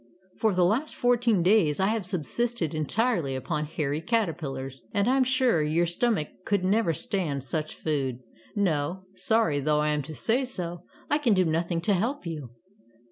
For the last four teen days I have subsisted entirely upon hairy caterpillars, and I am sure your stomach could never stand such food. No, sorry though I am to say so, I can do nothing to help you.